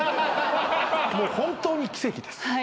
もう本当に奇跡です。